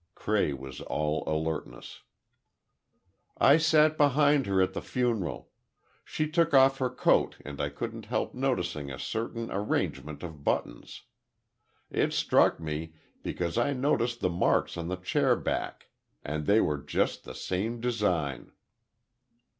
Cray was all alertness. "I sat behind her at the funeral. She took off her coat and I couldn't help noticing a certain arrangement of buttons. It struck me, because I noticed the marks on the chair back, and they were just the same design."